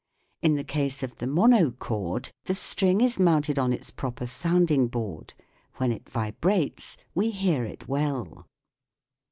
In the case of the monochord the string is mounted on its proper sounding board : when it vibrates we hear it well.